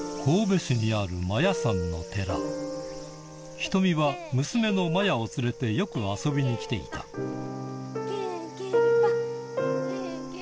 ひとみは娘のまやを連れてよく遊びに来ていたケンケンパ！